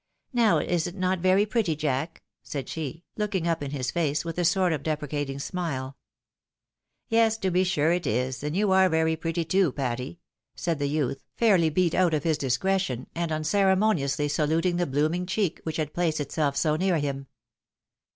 " Now, is it not very pretty. Jack?" said she, looking up in his face with a sort (rf deprecating smile. " Ye^, to be sure it is ; and you are very pretty, too, Patty," said the youth, fairly beat out of his discretion, and unceremo niously saluting the blooming cheek which had placed iiaelf so near Mm.